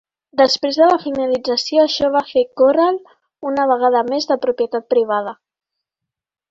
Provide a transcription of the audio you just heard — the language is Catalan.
Després de la finalització, això va fer Corel una vegada més de propietat privada.